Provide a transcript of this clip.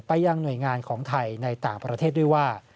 ยังหน่วยงานของไทยในต่างประเทศด้วยว่า